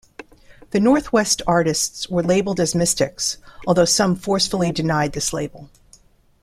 The Northwest artists were labeled as mystics, although some forcefully denied this label.